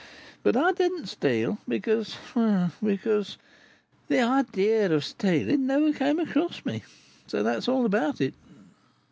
But I did not steal, because because why, because the idea of stealing never came across me; so that's all about it!"